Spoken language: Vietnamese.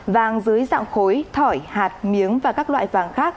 vàng dưới dạng khối thỏi hạt miếng và các loại vàng khác